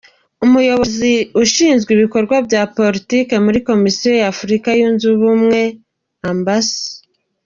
Umuyobozi ushinzwe ibikorwa bya Politiki muri Komisiyo ya Afurika Yunze Ubumwe, Amb.